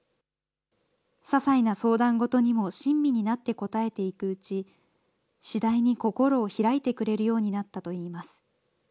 ささいな相談事にも親身になって答えていくうちに、次第に心を開いてくれるようになったといいます。